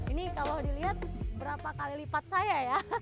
ini kalau dilihat berapa kali lipat saya ya